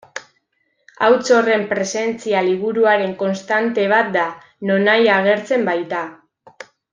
Hauts horren presentzia liburuaren konstante bat da, nonahi agertzen baita.